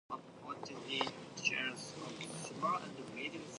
Cryptics often include anagrams, as well.